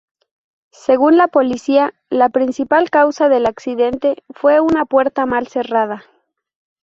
Según la policía, la principal causa del accidente fue una puerta mal cerrada.